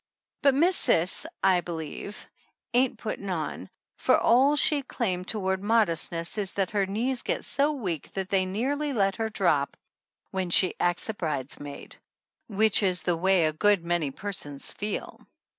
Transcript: But Miss Cis, I believe, ain't putting on, for all she claims to ward modestness is that her knees get so weak that they nearly let her drop when she acts a bridesmaid, which is the way a good many per sons feel.